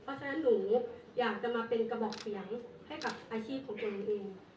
เพราะฉะนั้นหนูอยากจะมาเป็นกระบอกเสียงให้กับอาชีพของตัวเอง